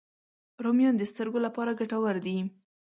رومیان د سترګو لپاره ګټور دي